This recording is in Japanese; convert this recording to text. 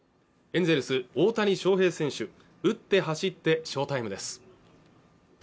エンゼルス大谷翔平選手打って走って翔タイムです